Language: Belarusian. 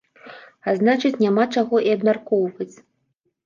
А значыць, няма чаго і абмяркоўваць.